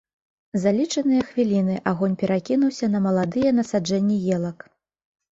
За лічаныя хвіліны агонь перакінуўся на маладыя насаджэнні елак.